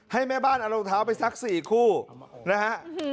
ให้แม่บ้านเอารองเท้าไปสัก๔คู่นะฮะ